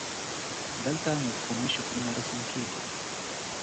دلته مفهومي شکلونه رسم کیږي.